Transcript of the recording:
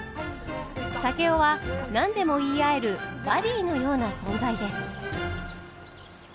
竹雄は何でも言い合えるバディーのような存在です。